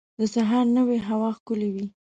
د سهار نوی هوا ښکلی وي.